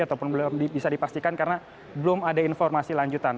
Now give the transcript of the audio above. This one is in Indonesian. ataupun belum bisa dipastikan karena belum ada informasi lanjutan